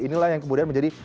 inilah yang kemudian menjadi